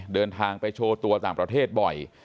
เดินทางไปโชว์ตัวต่างประเทศบ่อย